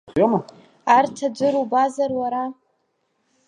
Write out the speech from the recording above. Арҭ аӡәыр убазар, уара?